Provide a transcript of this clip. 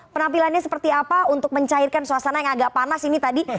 penampilannya seperti apa untuk mencairkan suasana yang agak panas ini tadi